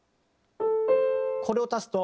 これを足すと。